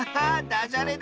ダジャレだ！